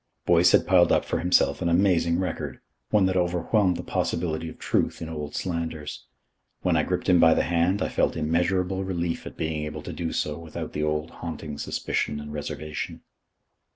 Boyce had piled up for himself an amazing record, one that overwhelmed the possibility of truth in old slanders. When I gripped him by the hand, I felt immeasurable relief at being able to do so without the old haunting suspicion and reservation.